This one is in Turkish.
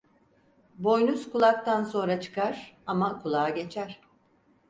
Boynuz kulaktan sonra çıkar, ama kulağı geçer.